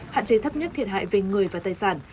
hạn chế thấp nhất thiệt hại về người và tài sản